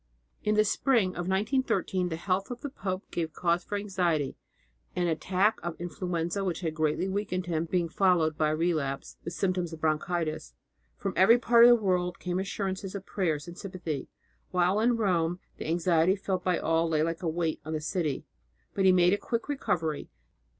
In the spring of 1913 the health of the pope gave cause for anxiety, an attack of influenza which had greatly weakened him being followed by a relapse, with symptoms of bronchitis. From every part of the world came assurances of prayers and sympathy, while in Rome the anxiety felt by all lay like a weight on the city. But he made a quick recovery.